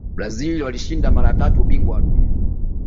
brazil walishinda mara ya tatu ubingwa wa dunia